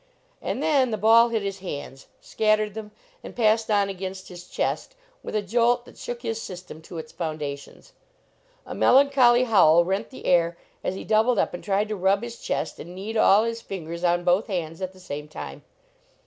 And then the ball hit his hands, scattered them, and passed on against his chest with a jolt that shook his system to its foundations. A melancholy howl rent the air as he doubled up and tried to rub his chest and knead all his fingers on both hands at the same time.